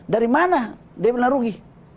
dari mana dia benar rugi